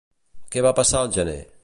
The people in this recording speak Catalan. Què va passar al gener?